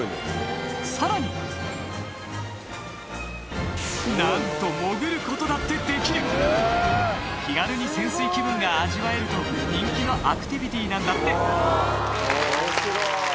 さらになんと気軽に潜水気分が味わえると人気のアクティビティーなんだって面白い。